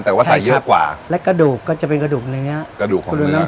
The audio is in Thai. แต่ว่าใส่เยอะกว่าและกระดูกก็จะเป็นกระดูกเนื้อกระดูกของเนื้อ